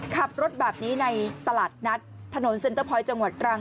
ขับรถแบบนี้ในตลาดนัดถนนเซ็นเตอร์พอยต์จังหวัดตรัง